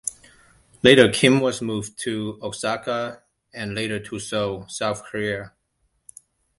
Later Kim was moved to Osaka and later to Seoul, South Korea.